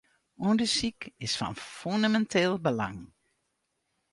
Undersyk is fan fûneminteel belang.